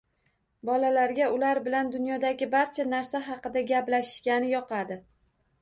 Bolalarga ular bilan dunyodagi barcha narsa haqida gaplashishgani yoqadi.